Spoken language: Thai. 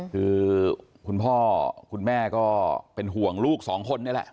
คือคุณพ่อคุณแม่ก็เป็นห่วงลูกสองคนนี่แหละ